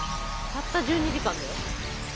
たった１２時間だよ？